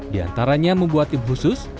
diantaranya membuat tim khusus